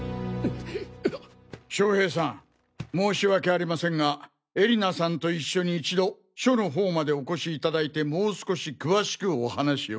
将平さん申し訳ありませんが絵里菜さんと一緒に一度署の方までお越しいただいてもう少し詳しくお話を。